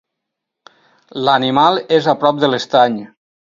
L'animal és a prop de l'estany.